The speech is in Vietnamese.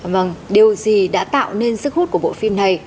vâng điều gì đã tạo nên sức hút của bộ phim này